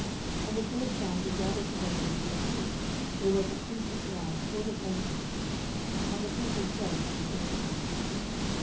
And the Philistines were gathered together into a troop, where was a piece of ground full of lentiles: and the people fled from the Philistines.